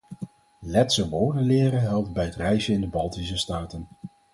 Letse woorden leren helpt bij het reizen in de Baltische staten.